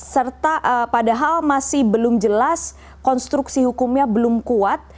serta padahal masih belum jelas konstruksi hukumnya belum kuat